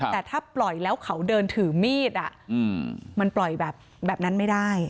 แต่ถ้าปล่อยแล้วเขาเดินถือมีดมันปล่อยแบบนั้นไม่ได้